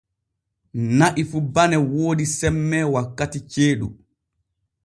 Na'i fu bane woodi semme wakkati ceeɗu.